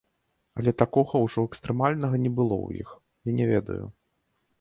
Але такога ўжо экстрэмальнага не было ў іх, я не ведаю.